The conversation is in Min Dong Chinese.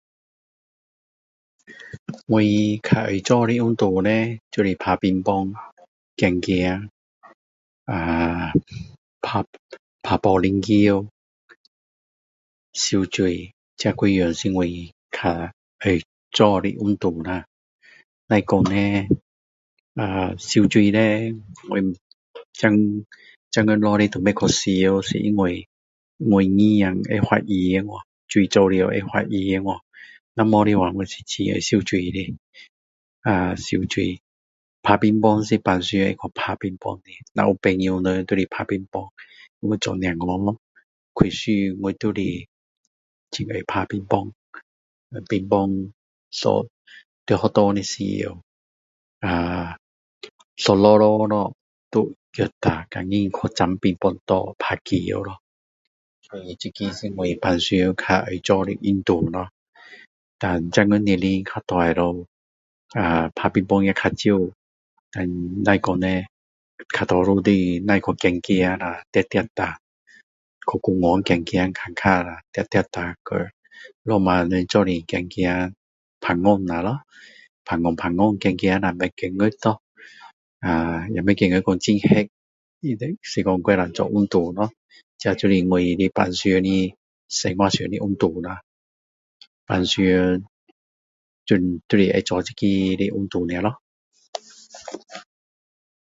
我比较爱做的运动叻就是打乒乓呃打打保龄球游泳这几样是我比较爱做的运动啦只是说呢啊游泳叻我现现今下来不会去游是因为我耳朵会发炎去水跑进去会发炎去要不然的话我很爱游泳的啊游泳打乒乓是平常去打乒乓若有朋友们都是打乒乓我做孩子开始我就是很爱打乒乓乒乓算在学校的时候啊啧一下课咯都跑下赶紧去争乒乓桌打球咯呃这个是我平常比较爱做的运动咯然后现在年龄比较大了啊打乒乓也比较少只只是说叻大多数只是去走走啦跑跑啦去公园走走看看啦跑跑啦和老婆们一起走走聊天啦咯聊天聊天走走啦不觉得咯也不觉得说很累是说还可以做运动咯这就是我的平常的生活上的运动啦平常就是就是会做这个运动而已咯